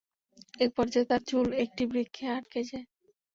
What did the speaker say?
এক পর্যায়ে তার চুল একটি বৃক্ষে আঁটকে যায়।